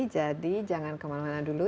jadi jangan kemana mana dulu